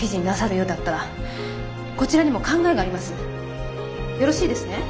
よろしいですね？